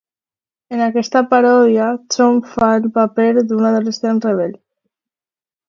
En aquesta paròdia, Chong fa el paper d'un adolescent rebel.